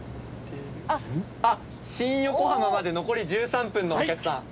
新横浜まで残り１３分のお客さん。